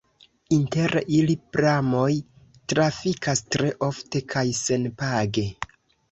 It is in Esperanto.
Inter ili pramoj trafikas tre ofte kaj senpage.